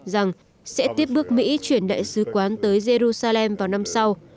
rằng sẽ tiếp bước mỹ chuyển đại sứ quán tới jerusalem vào năm sau